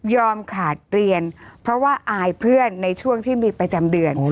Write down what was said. ขาดเรียนเพราะว่าอายเพื่อนในช่วงที่มีประจำเดือน